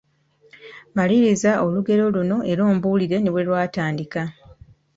Maliriza olugero luno era ombuulire ne bwe lwatandika.